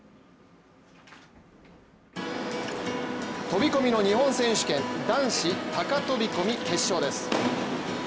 飛び込みの日本選手権男子高飛び込み決勝です。